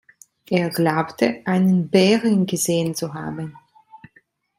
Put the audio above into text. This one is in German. Er glaubte, einen Bären gesehen zu haben.